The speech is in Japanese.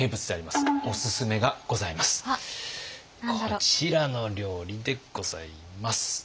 こちらの料理でございます。